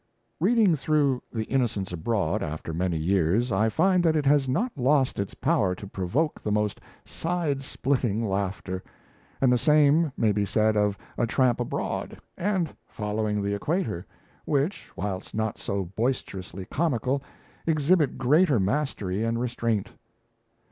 Reading through 'The Innocents Abroad' after many years, I find that it has not lost its power to provoke the most side splitting laughter; and the same may be said of 'A Tramp Abroad' and 'Following the Equator', which, whilst not so boisterously comical, exhibit greater mastery and restraint.